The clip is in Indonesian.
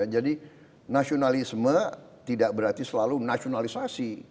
jadi nasionalisme tidak berarti selalu nasionalisasi